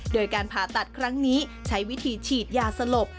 โดยการผ่าตัดครั้งนี้ใช้วิธีฉีดยาสลบ